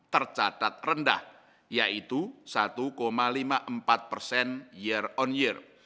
tercatat rendah yaitu satu lima puluh empat persen year on year